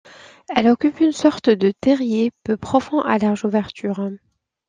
Elle occupe une sorte de terrier peu profond à large ouverture.